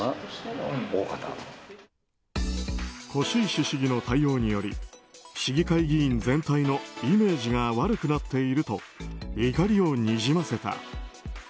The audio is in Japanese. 輿石市議の対応により市議会議員全体のイメージが悪くなっていると怒りをにじませた。